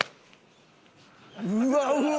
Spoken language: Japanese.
うわうわ